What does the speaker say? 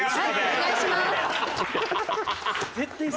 お願いします。